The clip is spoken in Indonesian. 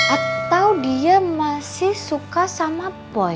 atau dia masih suka sama boy